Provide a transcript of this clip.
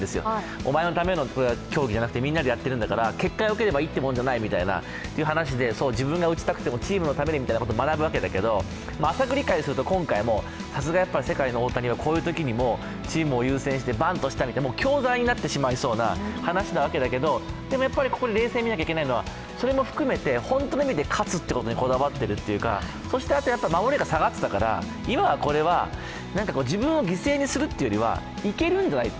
お前のための競技じゃなくてみんなのためなんだから結果がよければいいっていうもんじゃないという話で、自分が打ちたくてもチームのためにということを学ぶわけだけど、今回も、世界の大谷はこういうときにバントしても強打になってしまいそうな話だけれども、ここで冷静に見なきゃ行けないのはそれも含めて、本当に勝つと言うことにこだわっているというかそして守りが下がってたから、今はこれは自分を犠牲にするというよりはいけるんじゃないか。